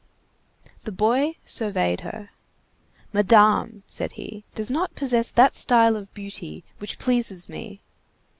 The boy surveyed her. "Madame," said he, "does not possess that style of beauty which pleases me."